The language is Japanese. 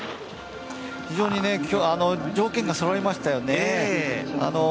非常に条件がそろいましたよね。